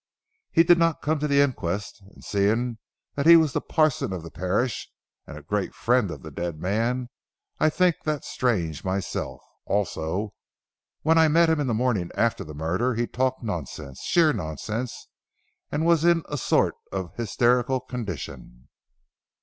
He did not come to the inquest, and seeing that he was the parson of the parish and a great friend of the dead man I think that strange myself. Also when I met him in the morning after the murder he talked nonsense, sheer nonsense, and was in a sort of hysterical condition."